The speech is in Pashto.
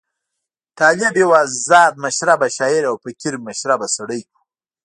طالب یو آزاد مشربه شاعر او فقیر مشربه سړی وو.